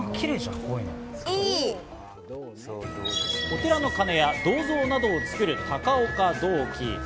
お寺の鐘や銅像などを作る高岡銅器。